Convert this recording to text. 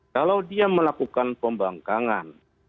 kalau dia melakukan pembangkangan